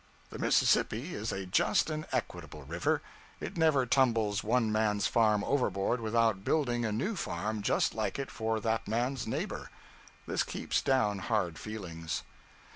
The Mississippi is a just and equitable river; it never tumbles one man's farm overboard without building a new farm just like it for that man's neighbor. This keeps down hard feelings.